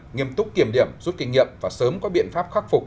nghiêm túc kiểm điểm rút kinh nghiệm và sớm có biện pháp khắc phục